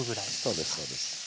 そうですそうです。